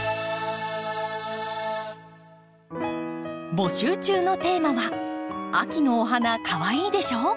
募集中のテーマは「秋のお花かわいいでしょ？」。